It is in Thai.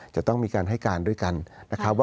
จะต้องมีการให้การด้วยกันนะครับว่า